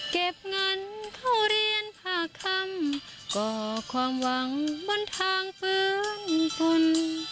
เก็บงานเข้าเรียนพากรรมก่อความหวังบนทางเปื้อนทุน